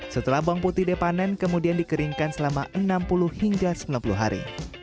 setelah bawang putih dipanen kemudian dikeringkan selama enam puluh hingga sembilan puluh hari